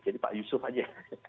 jadi pak yusuf aja